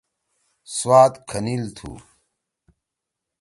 سوات کھنِیل تُھو۔